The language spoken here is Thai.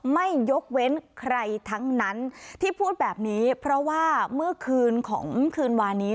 ไม่ยกเว้นใครทั้งนั้นที่พูดแบบนี้เพราะว่าเมื่อคืนของคืนวานี้